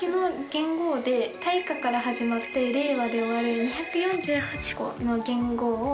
大化から始まって令和で終わる２４８個の元号を。